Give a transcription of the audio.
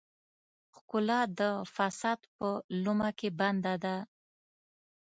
ښکلا د فساد په لومه کې بنده ده.